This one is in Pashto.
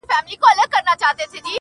ترڅو له ماڅخه ته هېره سې;